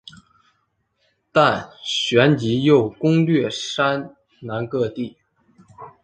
但旋即又攻掠山南各地。